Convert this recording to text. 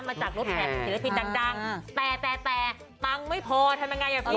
มาจากรถแถบเกลือที่ดังแต่ปังไม่พอทำยังไงอย่างนี้